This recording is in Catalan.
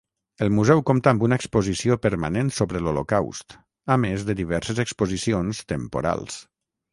El museu compta amb una exposició permanent sobre l'Holocaust, a més de diverses exposicions temporals.